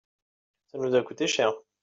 ça nous a coûté cher.